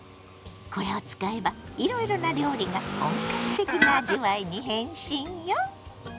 これを使えばいろいろな料理が本格的な味わいに変身よ！